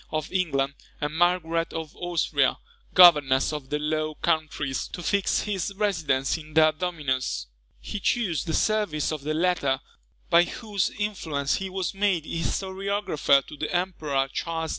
of England, and Margaret of Austria, governess of the Low Countries, to fix his residence in their dominions. He chose the service of the latter, by whose influence he was made historiographer to the Emperor Charles V.